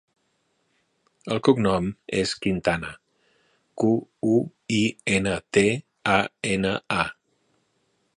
El cognom és Quintana: cu, u, i, ena, te, a, ena, a.